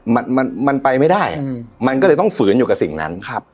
มันมันไปไม่ได้อ่ะอืมมันก็เลยต้องฝืนอยู่กับสิ่งนั้นครับ